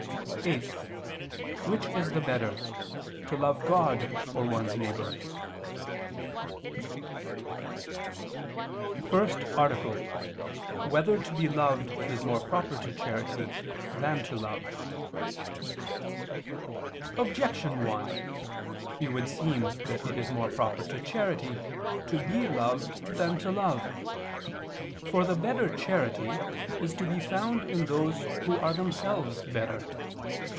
(8) Which is the better, to love God, or one's neighbor? _______________________ FIRST ARTICLE [II II, Q. 27, Art. 1] Whether to Be Loved Is More Proper to Charity Than to Love? Objection 1: It would seem that it is more proper to charity to be loved than to love. For the better charity is to be found in those who are themselves better.